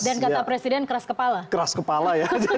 dan kata presiden keras kepala